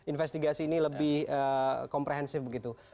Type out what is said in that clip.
investigasi ini lebih komprehensif begitu